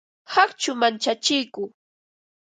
Qaqchu manchachiku